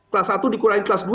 kelas satu dikurangi kelas dua